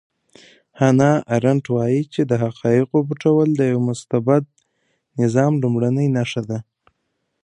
هانا ارنټ وایي چې د حقایقو پټول د یو مستبد نظام لومړنۍ نښه ده.